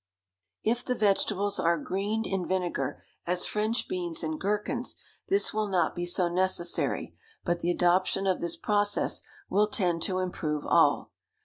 If the vegetables are greened in vinegar, as French beans and gherkins, this will not be so necessary, but the adoption of this process will tend to improve all.